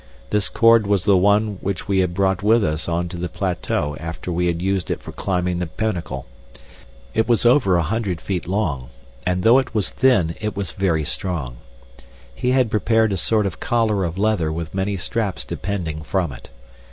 This cord was the one which we had brought with us on to the plateau after we had used it for climbing the pinnacle. It was over a hundred feet long, and though it was thin it was very strong. He had prepared a sort of collar of leather with many straps depending from it.